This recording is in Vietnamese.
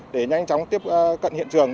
để nhanh chóng tiếp cận hiện trường